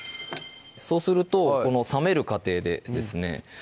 そうするとこの冷める過程でですね